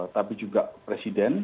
tapi juga presiden